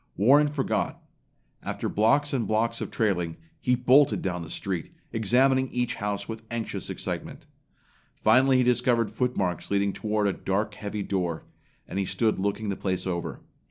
Warren forgot. After blocks and blocks of trailing, he bolted down the street, examining each house with anxious excitement. Finally he discovered footmarks leading toward a dark, heavy door, and he stood looking the place over.